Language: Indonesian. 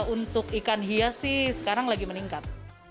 untuk ikan hias sih sekarang lagi meningkat